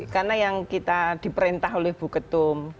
karena yang kita diperintah oleh bu ketum